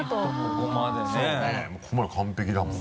ここまで完璧だもん。